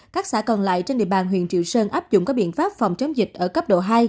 các xã còn lại trên địa bàn huyện triệu sơn áp dụng các biện pháp phòng chống dịch ở cấp độ hai